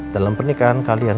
dalam pernikahan kalian